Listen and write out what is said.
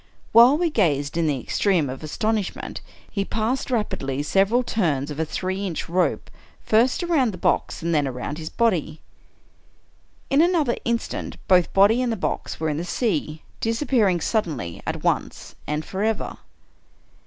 While we gazed in the extremity of astonish ment, he passed, rapidly, several turns of a three inch rope, first around the box and then around his body. In another 122 Ed^ar Allan Poe *i. instant both body and box were in the sea — disappearing suddenly, at once and forever.